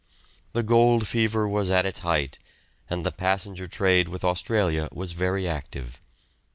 The gold fever was at its height, and the passenger trade with Australia was very active.